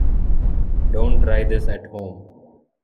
Don't Try This At Home!